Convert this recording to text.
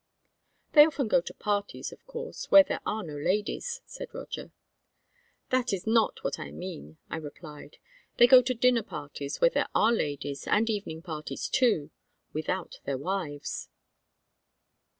"They often go to parties, of course, where there are no ladies," said Roger. "That is not what I mean," I replied. "They go to dinner parties where there are ladies, and evening parties, too, without their wives."